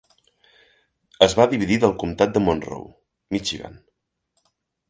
Es va dividir del comtat de Monroe, Michigan.